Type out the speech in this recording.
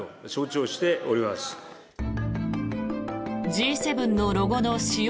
Ｇ７のロゴの使用